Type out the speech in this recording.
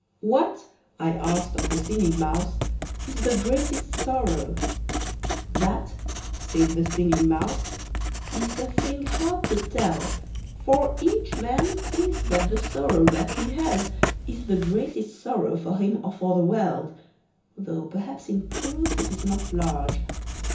"What," I asked of the Singing Mouse, "is the greatest sorrow?" "That," said the Singing Mouse, "is a thing hard to tell; for each man thinks that the sorrow that he has is the greatest sorrow for him or for the world; though perhaps in truth it is not large.